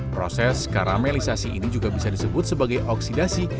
proses karamelisasi ini juga bisa disebut sebagai oksidasi